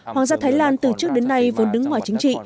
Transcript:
hoàng gia thái lan từ trước đến nay vốn đứng ngoài chính trị